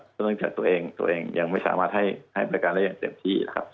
ตั้งแต่ตัวเองยังไม่สามารถให้บริการเล่นอย่างเต็มที่